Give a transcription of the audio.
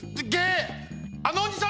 あのおじさんなに！？